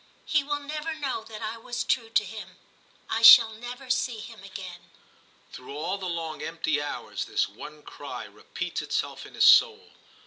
* He will never know that I was true to him. I shall never see him again.' Through all the long empty hours this one cry repeats itself in his soul.